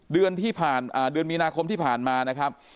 เดือนที่ผ่านเดือนมีนาคมที่ผ่านมานะครับ